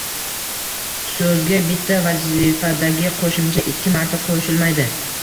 Soʻzga bitta vazifadagi qoʻshimcha ikki marta qoʻshilmaydi